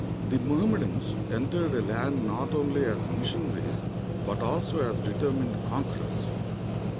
The ^Mohammedans entered a land not only as mission aries, but also as determined conquerors.